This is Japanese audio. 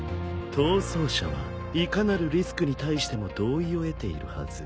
逃走者はいかなるリスクに対しても同意を得ているはず。